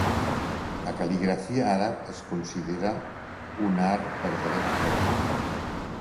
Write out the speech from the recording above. La cal·ligrafia àrab es considera un art per dret propi.